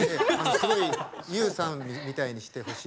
すごいＹＯＵさんみたいにしてほしいって。